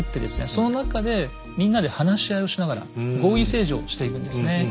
その中でみんなで話し合いをしながら合議政治をしていくんですね。